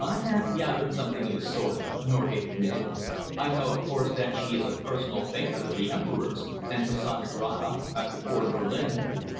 "I have gathered something of the sort," Norgate admitted. "I know, of course, that she is a personal favourite of the Emperor's, and persona grata at the Court of Berlin."